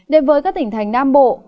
đến với các tỉnh thành nam bộ